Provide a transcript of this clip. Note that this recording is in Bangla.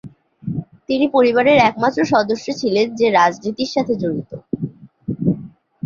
তিনি পরিবারের একমাত্র সদস্য ছিলেন, যে রাজনীতির সাথে জড়িত।